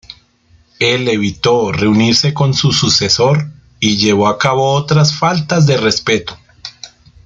Él evitó reunirse con su sucesor, y llevó a cabo otras faltas de respeto.